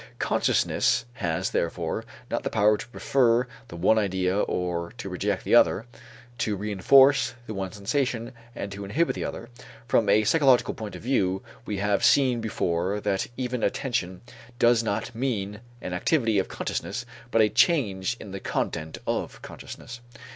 Consciousness has, therefore, not the power to prefer the one idea or to reject the other, to reënforce the one sensation and to inhibit the other. From a psychological point of view, we have seen before that even attention does not mean an activity of consciousness but a change in the content of consciousness.